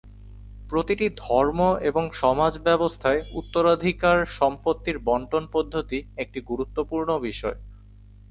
প্রতিটি ধর্ম এবং সমাজ ব্যবস্থায় উত্তরাধিকার সম্পত্তির বণ্টন পদ্ধতি একটি গুরুত্বপূর্ণ বিষয়।